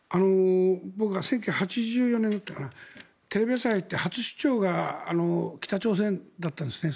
僕が１９８４年だったかなテレビ朝日に入って初出張が北朝鮮だったんですね。